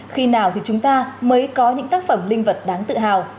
khi nào thì chúng ta mới có những tác phẩm linh vật đáng tự hào